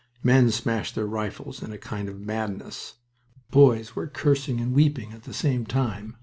Men smashed their rifles in a kind of madness. Boys were cursing and weeping at the same time.